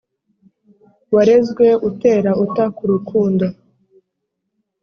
warezwe utera uta ku rukundo